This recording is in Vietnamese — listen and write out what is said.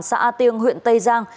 xã a tiêng huyện tây giang